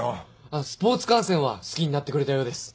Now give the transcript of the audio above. あっスポーツ観戦は好きになってくれたようです。